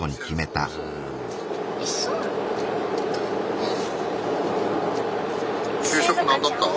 うん。